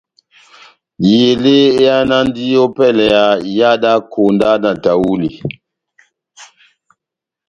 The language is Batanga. Elé ehánandi ópɛlɛ ya iha dá konda na tahuli.